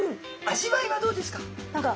味わいはどうですか？